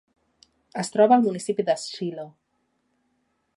Es troba al municipi de Shiloh.